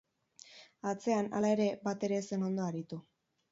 Atzean, hala ere, bat ere ez zen ondo aritu.